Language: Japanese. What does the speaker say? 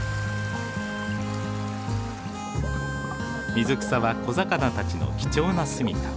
水草は小魚たちの貴重なすみか。